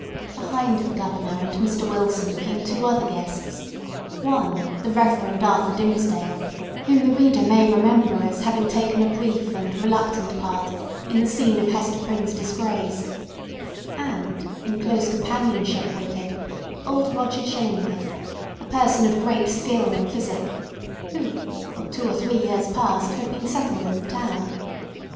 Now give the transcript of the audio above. Behind the Governor and Mr. Wilson came two other guests—one, the Reverend Arthur Dimmesdale, whom the reader may remember as having taken a brief and reluctant part in the scene of Hester Prynne's disgrace; and, in close companionship with him, old Roger Chillingworth, a person of great skill in physic, who for two or three years past had been settled in the town.